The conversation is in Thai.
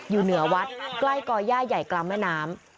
อยู่เหนือวัดใกล้ก่อย่าใหญ่กลางแม่น้ำ